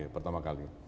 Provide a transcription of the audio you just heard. ya pertama kali